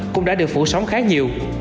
cũng đã được phủ sóng khá nhiều